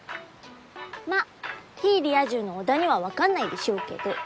まぁ非リア充の織田には分かんないでしょうけど。